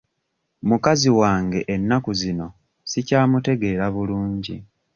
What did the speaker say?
Mukazi wange ennaku zino sikyamutegeera bulungi.